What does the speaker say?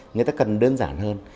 người ta cần đơn giản hơn